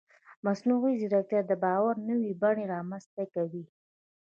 مصنوعي ځیرکتیا د باور نوې بڼې رامنځته کوي.